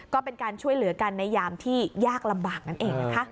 ก็เป็นการช่วยเหลือกันในยามที่ยากลำบากนั่นเองนะคะ